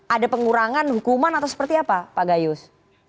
ada pengurangan hukuman atau seperti apa pak gayus